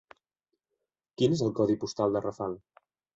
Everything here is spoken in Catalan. Quin és el codi postal de Rafal?